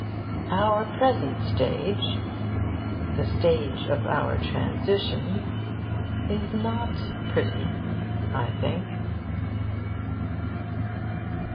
Our present stage the stage of our transition is not pretty, I think.